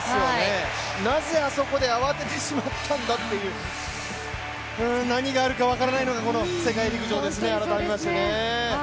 なぜあそこで慌ててしまったんだっていう、何があるか分からないのがこの世界陸上ですね、改めましてですね。